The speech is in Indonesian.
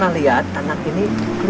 aku di rumah pokoknya dulu